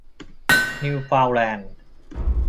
นิวเฟาน์แลนด์